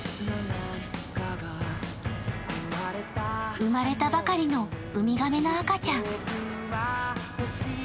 生まれたばかりのウミガメの赤ちゃん。